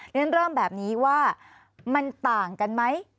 ฉันเริ่มแบบนี้ว่ามันต่างกันไหม